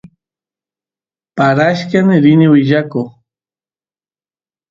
paran rini willay